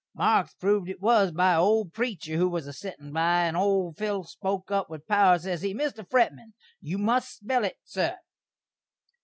Marks proved it was by a old preecher who was a settin' by, and old Phil spoke up with power, ses he, "Mr. Fretman, you must spell it, sur."